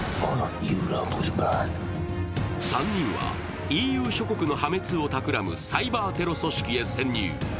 ３人はＥＵ諸国の破滅を企むサイバー組織へ潜入。